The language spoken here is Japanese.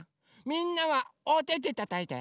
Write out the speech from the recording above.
みんなはおててたたいて。